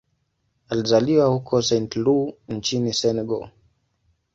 Alizaliwa huko Saint-Louis nchini Senegal.